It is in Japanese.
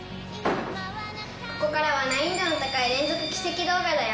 ここからは難易度の高い連続奇跡動画だよ。